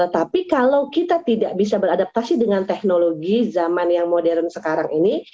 tapi kalau kita tidak bisa beradaptasi dengan teknologi zaman yang modern sekarang ini